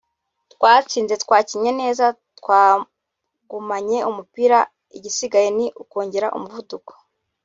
twatsinze twakinnye neza twagumanye umupira igisigaye ni ukongera umuvuduko